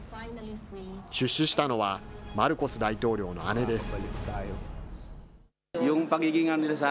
出資したのは、マルコス大統領の姉です。